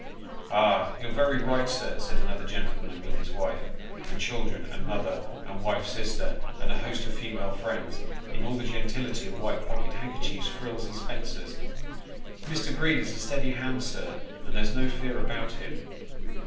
" Ah, you're very right, sir," said another gentleman, with his wife, and children, and mother, and wife's sister, and a host of female friends, in all the gentility of white pocket handkerchiefs, frills, and spencers, " Mr. Green is a steady hand, sir, and there's no fear about him."